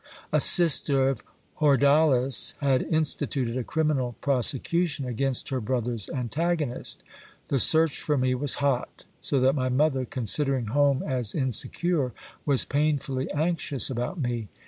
A sister of Hordales had instituted a criminal prosecution against her brother's antagonist. The search for me was hot, so that my mother, considering home as insecure, was painfully anxious about me.